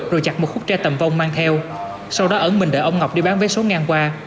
rồi chặt một khúc tre tầm vong mang theo sau đó ẩn mình đợi ông ngọc đi bán vé số ngang qua